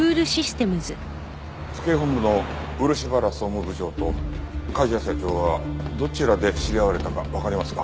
府警本部の漆原総務部長と梶谷社長はどちらで知り合われたかわかりますか？